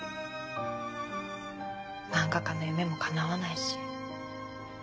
漫画家の夢もかなわないし。